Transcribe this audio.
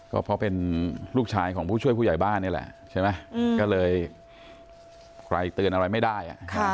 ก็เพราะเป็นลูกชายของผู้ช่วยผู้ใหญ่บ้านนี่แหละใช่ไหมก็เลยไกลเตือนอะไรไม่ได้